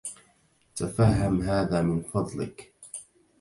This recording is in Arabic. تفهّم هذا من فضلك.